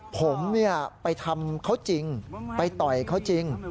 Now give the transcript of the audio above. ผมไปทำเขาจริงไปต่อยเขาจริง